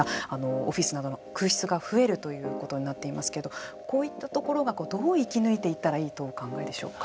オフィスなどの空室が増えるということになっていますけどこういったところがどう生き抜いていったらいいとお考えでしょうか。